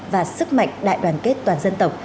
và sức mạnh đại đoàn kết toàn dân tộc